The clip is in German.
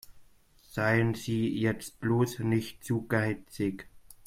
Seien Sie jetzt bloß nicht zu geizig.